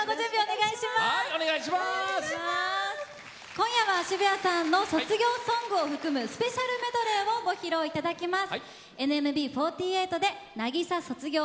今夜は渋谷さんの卒業ソングを含むスペシャルメドレーをご披露いただきます。